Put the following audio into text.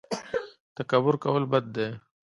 تکبر کول بد دي